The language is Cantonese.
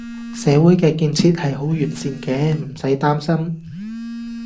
社會嘅建設係好完善嘅，唔駛擔心